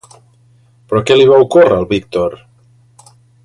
Però què li va ocórrer al Víctor?